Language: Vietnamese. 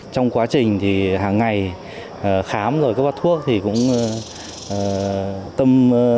trong quá trình thì hàng ngày khám rồi các bác thuốc thì cũng tâm